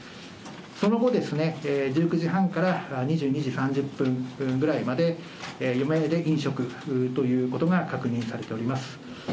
その後ですね、１９時半から２２時３０分ぐらいまで、４名で飲食ということが確認されております。